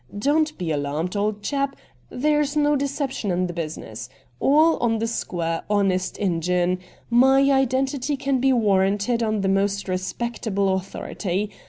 Don't be alarmed, old chap ; there's no deception in the business, all on the square, honest Injun : my identity can be warranted on the most respectable authority.